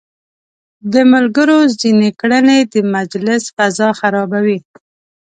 د ملګرو ځينې کړنې د مجلس فضا خرابوي.